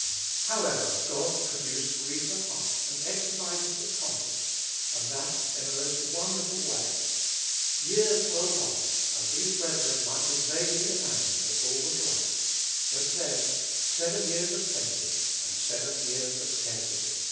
6.) However, God produced grief of heart, and exercises of conscience, and that in a most wonderful way. Years rolled on, and these brethren might have vainly imagined that all was right; but, then, "seven years of plenty, and seven years of scarcity!"